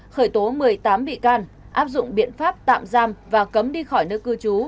khởi tố một mươi tám bị can áp dụng biện pháp tạm giam và cấm đi khỏi nơi cư trú